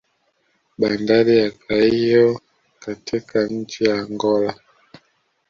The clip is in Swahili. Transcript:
Bandari ya Caio katika nchi ya Angola